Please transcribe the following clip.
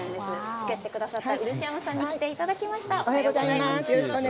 作ってくださった漆山さんに来ていただきました。